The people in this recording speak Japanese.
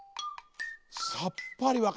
さっぱりわか。